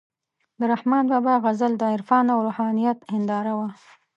د رحمان بابا غزل د عرفان او روحانیت هنداره وه،